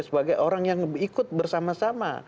sebagai orang yang ikut bersama sama